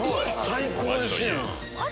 最高ですやん！